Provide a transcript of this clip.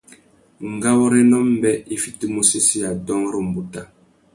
Ngawôrénô mbê i fitimú usésséya dôōng râ umbuta.